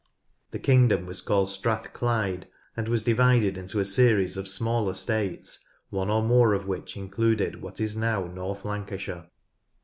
The kingdom was called Strathclyde and was divided into a series of smaller States, one or more of which included what is now North Lancashire.